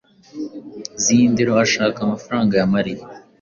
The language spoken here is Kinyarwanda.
Zindiroashaka amafaranga ya Mariya.